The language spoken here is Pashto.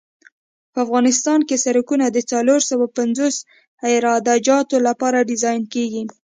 په افغانستان کې سرکونه د څلور سوه پنځوس عراده جاتو لپاره ډیزاین کیږي